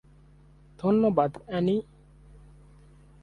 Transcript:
ধন্যবাদ, অ্যানি।